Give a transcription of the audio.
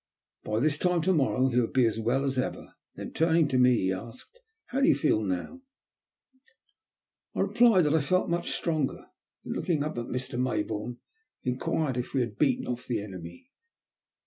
By this time to morrow he'll be as well as ever." Then, turning to me, he asked :" how do you feel now ?" I replied that I felt much stronger ; and then, looking up at Mr. Mayboume, enquired if we had beaten off the enemy.